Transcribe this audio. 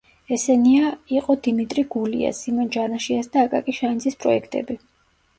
ესენია იყო დიმიტრი გულიას, სიმონ ჯანაშიას და აკაკი შანიძის პროექტები.